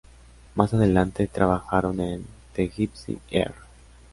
Más adelante trabajaron en "The Gipsy Earl".